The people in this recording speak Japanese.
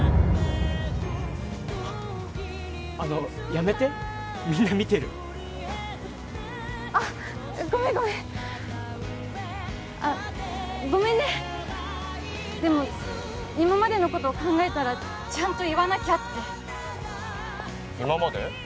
あっあのやめてみんな見てるあっごめんごめんあっごめんねでも今までのことを考えたらちゃんと言わなきゃって今まで？